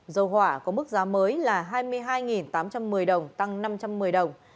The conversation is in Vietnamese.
dầu hỏa có mức giá mới là hai mươi hai tám trăm một mươi đồng tăng năm trăm một mươi đồng